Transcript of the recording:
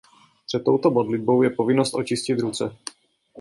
Před touto modlitbou je povinnost očistit ruce.